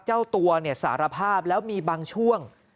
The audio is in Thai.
เจ้าตัวสารภาพแล้วมีบางช่วง